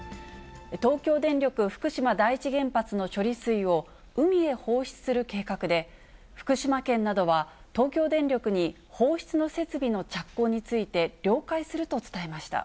東京電力福島第一原発の処理水を、海へ放出する計画で、福島県などは、東京電力に放出の設備の着工について了解すると伝えました。